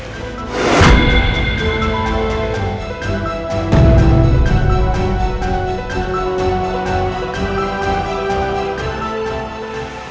kalo memang benar